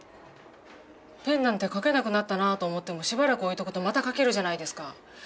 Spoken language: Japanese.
ペンなんて書けなくなったなと思ってもしばらく置いとくとまた書けるじゃないですか。